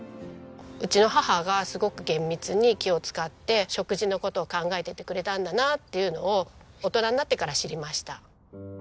うちの母がすごく厳密に気を使って食事の事を考えててくれたんだなっていうのを大人になってから知りました。